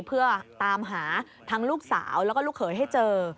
เพื่อตามหาทั้งลูกสาวแล้วก็ลูกเขยให้เจอ